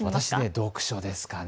読書ですかね。